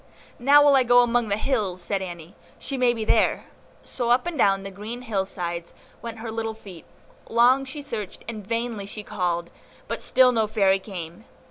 "Now will I go among the hills," said Annie, "she may be there." So up and down the green hill sides went her little feet; long she searched and vainly she called; but still no Fairy came.